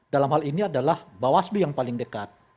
dalam hal ini adalah bawaslu yang paling dekat